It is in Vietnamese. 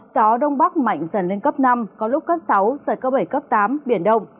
gió đông bắc mạnh dần lên cấp năm có lúc cấp sáu giật cấp bảy cấp tám biển động